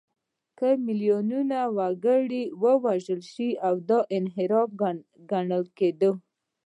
که میلیونونه وګړي وژل شوي وي، دا انحراف ګڼل کېده.